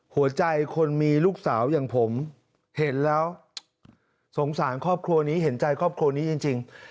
หัวใจคนมีลูกสาวอย่างผมเห็นแล้วสงสารครอบครัวนี้เห็นใจครอบครัวนี้จริง